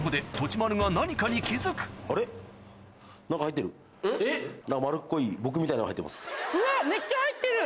丸っこい僕みたいのが入ってます。